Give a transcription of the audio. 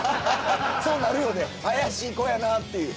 そうなるよね怪しい子やなっていう